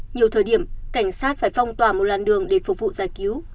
nhiều thời điểm cảnh sát phải phong tỏa một làn đường để phục vụ giải cứu